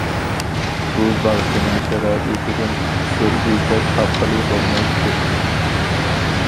بۇ باغچىنىڭ شارائىتىدىن قۇسۇر ئىزدەپ تاپقىلى بولمايتتى.